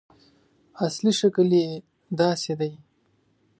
اصلي شکل یې داسې دی.